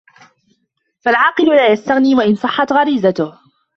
فَالْعَاقِلُ لَا يَسْتَغْنِي وَإِنْ صَحَّتْ غَرِيزَتُهُ